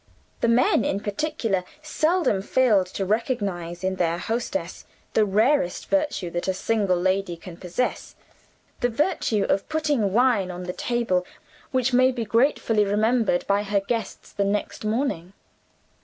The men, in particular, seldom failed to recognize in their hostess the rarest virtue that a single lady can possess the virtue of putting wine on the table which may be gratefully remembered by her guests the next morning.